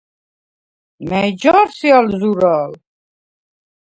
მა̈ჲ ჯა̄რ სი ალ ზურა̄ლ?